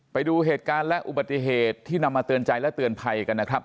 ไปดูเหตุการณ์และอุบัติเหตุที่นำมาเตือนใจและเตือนภัยกันนะครับ